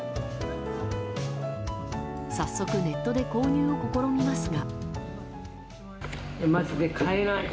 早速ネットで購入を試みますが。